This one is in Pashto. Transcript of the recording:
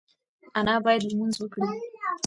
انا باید لمونځ وکړي.